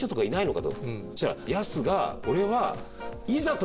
そしたらやすが「俺は」。